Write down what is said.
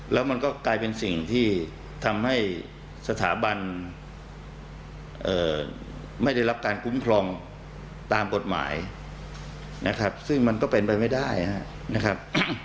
แล้วมันก็กลายเป็นสิ่งที่ทำให้สถาบันไม่ได้รับการคุ้มครองตามกฎหมายนะครับซึ่งมันก็เป็นไปไม่ได้นะครับ